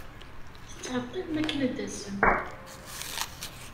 Tettɛeḍḍilem akken ad d-tasem.